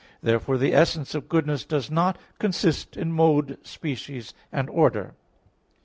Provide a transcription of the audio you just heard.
Therefore the essence of goodness does not consist in mode, species and order.